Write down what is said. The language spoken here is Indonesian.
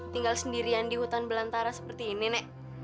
tinggal sendirian di hutan belantara seperti ini nek